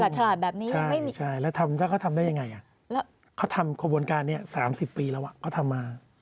ก็จะบอกว่ามันไม่ใหม่